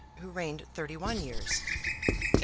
who reigned thirty one years, A.